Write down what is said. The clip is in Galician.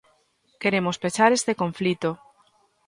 Queremos pechar este conflito.